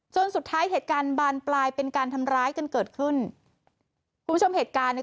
สุดท้ายเหตุการณ์บานปลายเป็นการทำร้ายกันเกิดขึ้นคุณผู้ชมเหตุการณ์เนี้ย